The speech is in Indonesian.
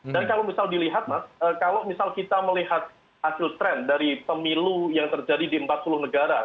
dan kalau misal dilihat mas kalau misal kita melihat hasil tren dari pemilu yang terjadi di empat puluh negara